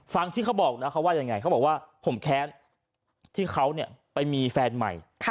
ที่เขาบอกนะเขาว่ายังไงเขาบอกว่าผมแค้นที่เขาไปมีแฟนใหม่